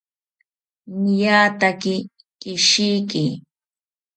Niataki keshiki